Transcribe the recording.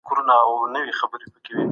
عاطفي اوښکې باور زیاتوي.